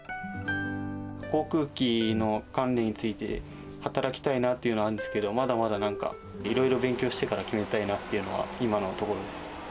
航空機の関連について、働きたいなっていうのはあるんですけど、まだまだなんか、いろいろ勉強してから決めたいなっていうのは今のところです。